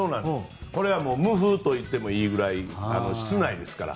これは無風と言ってもいいぐらい、室内ですから。